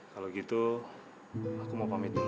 kalau gitu aku mau pamit dulu